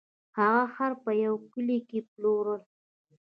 هغه خر په یوه کلي کې پلوره.